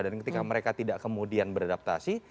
dan ketika mereka tidak kemudian beradaptasi